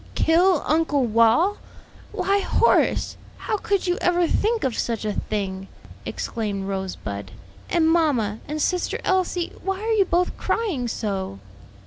"Kill Uncle Wal! why Horace, how could you ever think of such a thing?" exclaimed Rosebud. "And mamma and sister Elsie, why are you both crying so?"